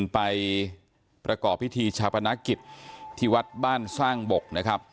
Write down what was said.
ไปประกอบพิธีชาปนกิจที่วัดบ้านสร้างบกนะครับ